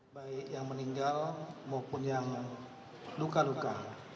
baik yang meninggal maupun yang luka luka